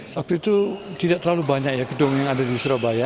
waktu itu tidak terlalu banyak ya gedung yang ada di surabaya